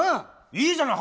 いいじゃない。